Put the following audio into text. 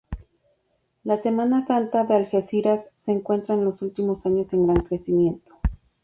La Semana Santa de Algeciras se encuentra en los últimos años en gran crecimiento.